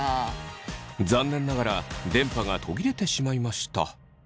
残念ながら電波が途切れてしまいました。